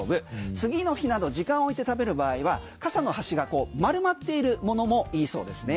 次の日など時間をおいて食べる場合はかさの端が丸まっているものもいいそうですね。